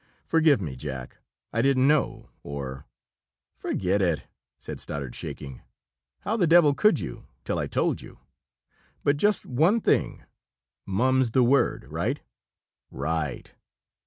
"Forgive me, Jack. I didn't know, or " "Forget it," said Stoddard shaking. "How the devil could you, till I told you? But just one thing. Mum's the word right?" "Right!"